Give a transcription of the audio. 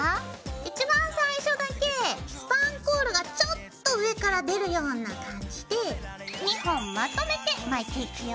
一番最初だけスパンコールがちょっと上から出るような感じで２本まとめて巻いていくよ。